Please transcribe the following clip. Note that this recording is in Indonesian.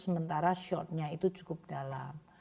sementara shortnya itu cukup dalam